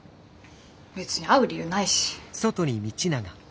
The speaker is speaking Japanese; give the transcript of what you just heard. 別に会う理由ないし。